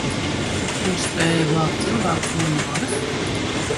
Viņš spēja glābt cilvēkus no nāves?